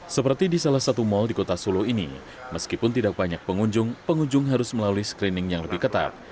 seperti di salah satu mal di kota solo ini meskipun tidak banyak pengunjung pengunjung harus melalui screening yang lebih ketat